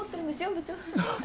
部長。